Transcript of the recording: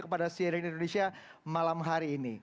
kepada cnn indonesia malam hari ini